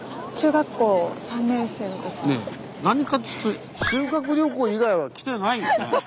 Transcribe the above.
何かっつうと修学旅行以外は来てないよね。